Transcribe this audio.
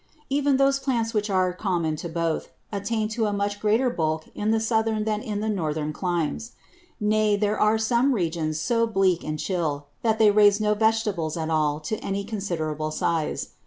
Even those Plants which are common to both, attain to a much greater Bulk in the Southern than in the Northern Climes. Nay, there are some Regions so bleak and chill, that they raise no Vegetables at all to any considerable Size.